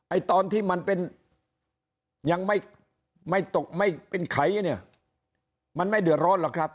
ตอนที่มันเป็นยังไม่ไม่ตกไม่เป็นไขเนี่ยมันไม่เดือดร้อนหรอกครับ